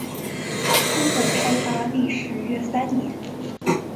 初步开发历时约三年。